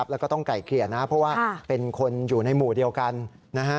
แล้วก็ต้องไก่เกลี่ยนะเพราะว่าเป็นคนอยู่ในหมู่เดียวกันนะฮะ